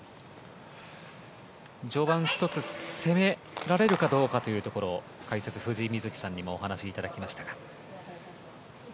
序盤、１つ攻められるかどうかというところ解説、藤井瑞希さんにもお話しいただきましたが。